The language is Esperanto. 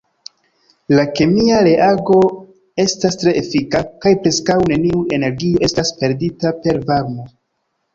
La kemia reago estas tre efika, kaj preskaŭ neniu energio estas perdita per varmo.